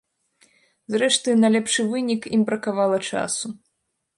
Зрэшты, на лепшы вынік ім бракавала часу.